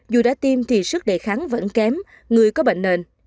dù đã tiêm thì sức đề kháng vẫn kém người có bệnh nền